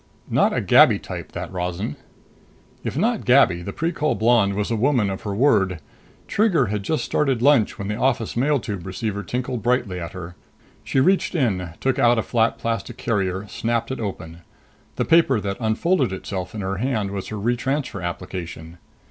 Not a gabby type, that Rozan. If not gabby, the Precol blonde was a woman of her word. Trigger had just started lunch when the office mail tube receiver tinkled brightly at her. She reached in, took out a flat plastic carrier, snapped it open. The paper that unfolded itself in her hand was her retransfer application.